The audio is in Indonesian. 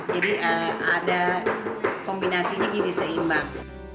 jadi ada kombinasinya gizi seimbang